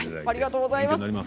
ありがとうございます。